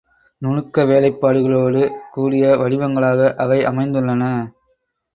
நுணுக்க வேலைப் பாடுகளோடு கூடிய வடிவங்களாக அவை அமைந்துள்ளன.